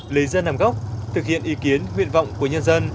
lấy dân làm gốc thực hiện ý kiến nguyện vọng của nhân dân